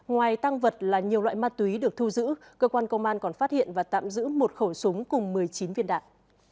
ngoài tăng vật là nhiều loại ma túy được thu giữ cơ quan công an còn phát hiện và tạm giữ một khẩu súng cùng một mươi chín viên đạn